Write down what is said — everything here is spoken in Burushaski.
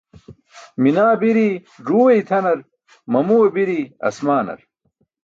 Minaa biri ẓuuwe itʰanar, mamuwe biri aasmaanar.